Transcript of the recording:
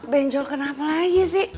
benjol kenapa lagi sih